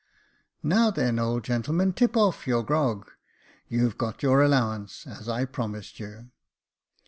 '* Now, then, old gentleman, tip oif your grog. You've got your allowance, as I promised you."